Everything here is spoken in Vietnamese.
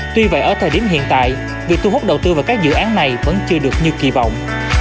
tuy vậy ở thời điểm hiện tại việc thu hút đầu tư vào các dự án này vẫn chưa được như kỳ vọng